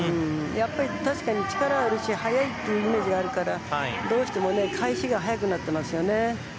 やっぱり、確かに力はあるし速いっていうイメージがあるからどうしても返しが速くなってますよね。